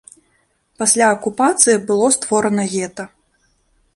Пасля акупацыі было створана гета.